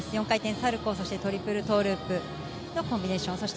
４回転サルコー、そしてトリプルトーループのコンビネーション。